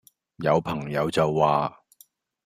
有朋友就話